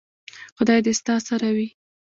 خدای دې ستا سره وي .